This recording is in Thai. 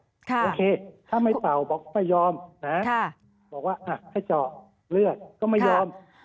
โอเคถ้าไม่เป่าบอกไม่ยอมนะบอกว่าให้เจาะเลือดก็ไม่ยอม